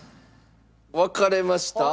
分かれました？